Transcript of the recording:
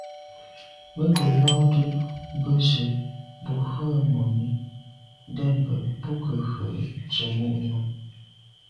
Mə́ ngə́ lódə́ bə̄ zə̄ bū rə̂ mùní ndɛ̂mbə́ bú gə̀ rə̌ tsə̀mô' nù.